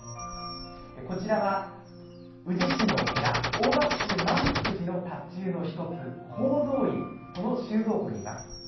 こちらは宇治市の寺黄檗宗萬福寺の塔頭の１つ宝蔵院、その収蔵庫にいます。